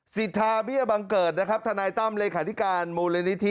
สิทธาเบี้ยบังเกิดนะครับทนายตั้มเลขาธิการมูลนิธิ